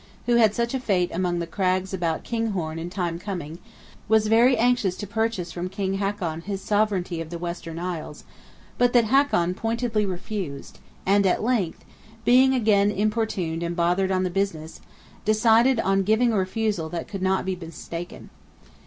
(who had such a fate among the crags about Kinghorn in time coming), was very anxious to purchase from King Hakon his sovereignty of the Western Isles, but that Hakon pointedly refused; and at length, being again importuned and bothered on the business, decided on giving a refusal that could not be mistaken.